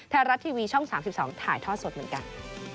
ไทยรัฐทีวีช่อง๓๒ถ่ายทอดสดเหมือนกัน